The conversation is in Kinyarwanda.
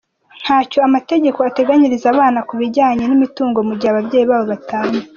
Ntacyo amategeko ateganyiriza abana ku bijyanye n’imitungo mu gihe ababyeyi babo batanye.